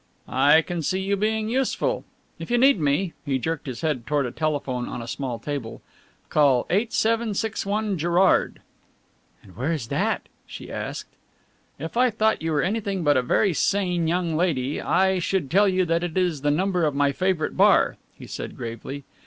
"I can see you being useful. If you need me" he jerked his head toward a telephone on a small table "call 8761 Gerrard." "And where is that?" she asked. "If I thought you were anything but a very sane young lady, I should tell you that it is the number of my favourite bar," he said gravely.